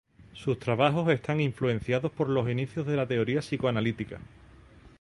Sus trabajos están influenciados por los inicios de la teoría psicoanalítica.